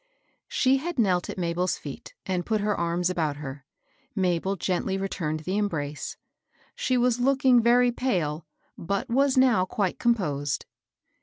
She had knelt at Mabel's feet and put her arms about her. Mabel gently returned the em brace. She was looking very pale, but was now quite composed.